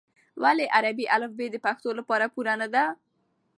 ولې عربي الفبې د پښتو لپاره پوره نه ده؟